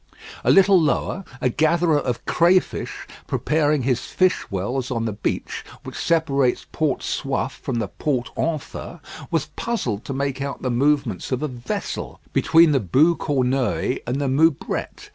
A little lower, a gatherer of crayfish, preparing his fish wells on the beach which separates Port Soif from the Port Enfer, was puzzled to make out the movements of a vessel between the Boue Corneille and the Moubrette.